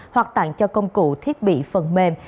hoặc tặng cho công cụ thiết bị phần mềm